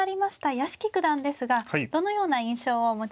屋敷九段ですがどのような印象をお持ちでしょうか。